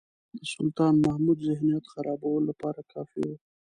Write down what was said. د سلطان محمود ذهنیت خرابولو لپاره کافي وو.